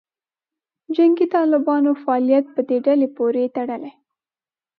جنګي طالبانو فعالیت په دې ډلې پورې تړلې.